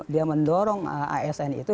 dia mendorong asn itu